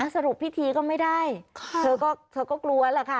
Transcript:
สรุปพิธีก็ไม่ได้เธอก็เธอก็กลัวแหละค่ะ